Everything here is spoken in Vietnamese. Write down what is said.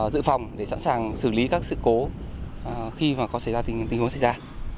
dự phòng để sẵn sàng xử lý các sự cố khi mà có xảy ra tình huống xảy ra